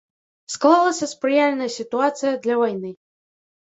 Склалася спрыяльная сітуацыя для вайны.